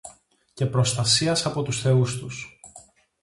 και προστασίας από τους θεούς τους,